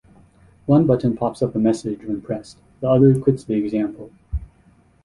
One button pops up a message when pressed, the other quits the example.